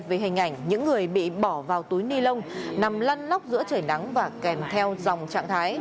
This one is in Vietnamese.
về hình ảnh những người bị bỏ vào túi ni lông nằm lân nóc giữa trời nắng và kèm theo dòng trạng thái